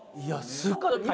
すごい！え！